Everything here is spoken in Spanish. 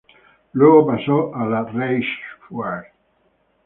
Luego pasó a la Reichswehr.